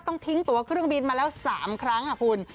ต้องทิ้งตัวเครื่องบินมาแล้ว๓ครั้งค่ะคุณ